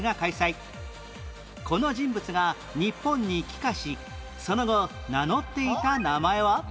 この人物が日本に帰化しその後名乗っていた名前は？